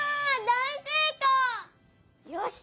よし！